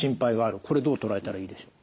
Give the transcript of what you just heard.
これどう捉えたらいいでしょう？